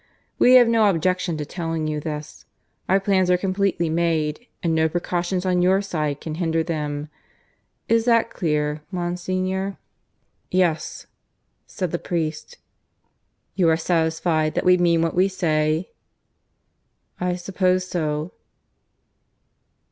We have no objection to telling you this: our plans are completely made, and no precautions on your side can hinder them. Is that clear, Monsignor?" "Yes," said the priest. "You are satisfied that we mean what we say?" "I suppose so."